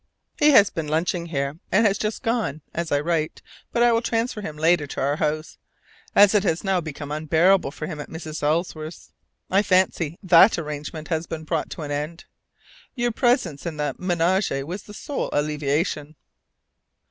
He has been lunching here and has just gone, as I write, but will transfer himself later to our house, as it has now become unbearable for him at Mrs. Ellsworth's. I fancy that arrangement has been brought to an end! Your presence in the ménage was the sole alleviation.